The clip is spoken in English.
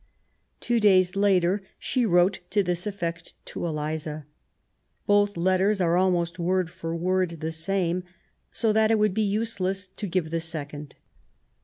Two days later she wrote to this effect to Eliza. Both letters are almost word for word the same^ so that it would be useless to give the second.